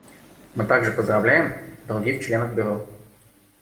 Мы также поздравляем других членов Бюро.